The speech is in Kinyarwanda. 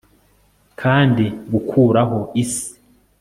Kandi gukuraho isi